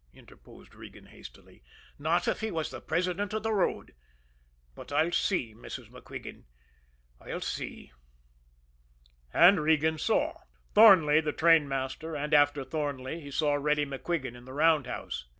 interposed Regan hastily. "Not if he was the president of the road. But I'll see, Mrs. MacQuigan, I'll see." And Regan saw Thornley, the trainmaster. And after Thornley, he saw Reddy MacQuigan in the roundhouse.